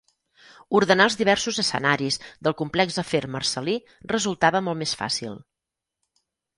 Ordenar els diversos escenaris del complex afer marcel·lí resultava molt més fàcil.